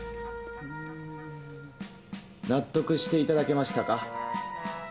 うーん。納得していただけましたか？